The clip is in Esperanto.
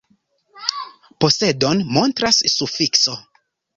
Posedon montras sufikso.